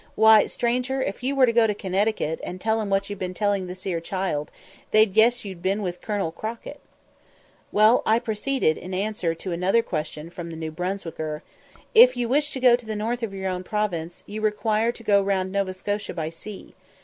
Why, stranger, if you were to go to Connecticut, and tell 'em what you've been telling this ere child, they'd guess you'd been with Colonel Crockett." "Well, I proceeded, in answer to another question from the New Brunswicker," if you wish to go to the north of your own province, you require to go round Nova Scotia by sea.